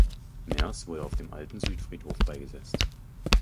Merz wurde auf dem Alten Südfriedhof beigesetzt.